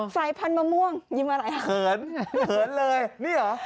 สายพันธุมะม่วงยิ้มอะไรอ่ะเขินเขินเลยนี่เหรอ